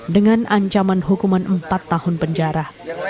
dengan ancaman hukuman empat tahun penjara